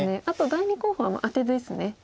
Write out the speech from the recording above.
あと第２候補はアテですね。